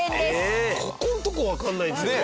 ここんとこわかんないんですよね